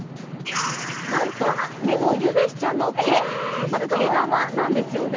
なんと猫、ゆべしちゃんの毛、毛玉なんですよね。